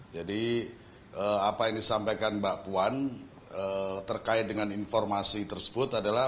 apa yang disampaikan mbak puan terkait dengan informasi tersebut adalah